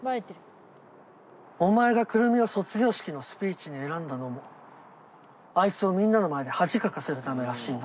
お前が久留美を卒業式のスピーチに選んだのもあいつをみんなの前で恥かかせるためらしいな。